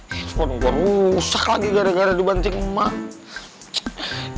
smartphone gue rusak lagi gara gara dibancing emang